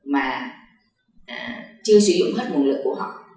mà chưa sử dụng hết nguồn lực của họ